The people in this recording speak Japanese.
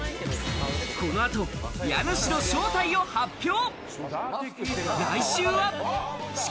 この後、家主の正体を発表。